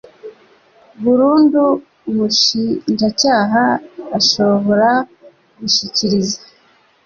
burundu umushinjacyaha ashobora gushyikiriza